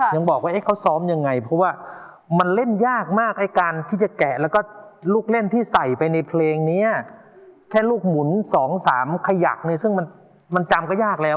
ยังบอกว่าเขาซ้อมยังไงเพราะว่ามันเล่นยากมากไอ้การที่จะแกะแล้วก็ลูกเล่นที่ใส่ไปในเพลงนี้แค่ลูกหมุน๒๓ขยักเนี่ยซึ่งมันจำก็ยากแล้ว